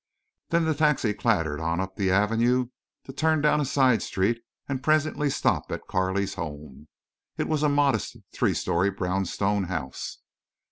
Then the taxi clattered on up the Avenue, to turn down a side street and presently stop at Carley's home. It was a modest three story brown stone house.